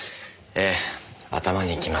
ええ頭にきます。